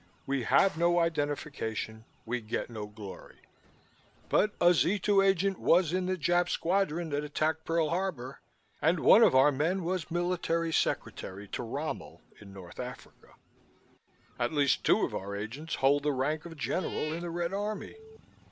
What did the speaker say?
We have no identification, we get no glory, but a Z 2 agent was in the Jap squadron that attacked Pearl Harbor and one of our men was military secretary to Rommel in North Africa. At least two of our agents hold the rank of General in the Red Army.